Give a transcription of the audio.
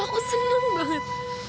aku senang banget